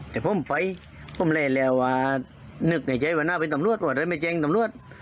แต่ผมไปผมเล่นแล้วว่านึกในใจว่าน่าเป็นตำรวจว่าได้ไม่แจ้งตำรวจ